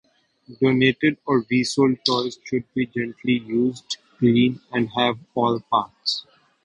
Donated or resold toys should be gently used, clean and have all parts.